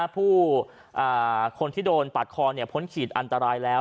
ผู้คนที่โดนปาดคอพ้นขีดอันตรายแล้ว